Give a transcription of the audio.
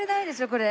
これ。